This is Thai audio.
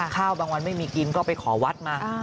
บางวันไม่มีกินก็ไปขอวัดมา